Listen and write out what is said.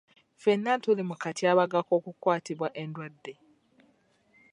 Ffenna tuli mu katyabaga k'okukwatibwa endwadde.